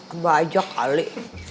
abah aja kali